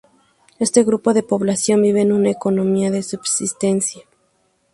Este grupo de población vive en una economía de subsistencia.